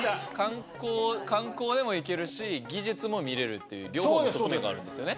観光でも行けるし技術も見れる両方の側面があるんですよね？